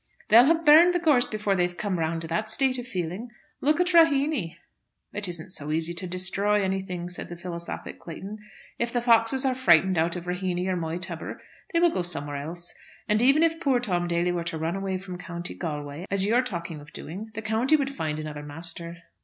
"They'd have burned the gorse before they have come round to that state of feeling. Look at Raheeny." "It isn't so easy to destroy anything," said the philosophic Clayton. "If the foxes are frightened out of Raheeny or Moytubber, they will go somewhere else. And even if poor Tom Daly were to run away from County Galway, as you're talking of doing, the county would find another master."